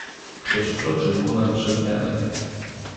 "Ktoś kroczył ku nam przez ganek."